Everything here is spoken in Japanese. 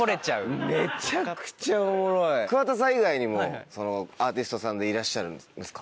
桑田さん以外にもアーティストさんでいらっしゃるんですか？